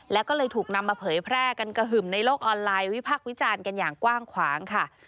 แล้วก็เลยถูกนำมาเผยแพร่กันกระหึ่มในโลกออนไลน์วิพักษ์วิจารณ์กันอย่างกว้างขวางค่ะ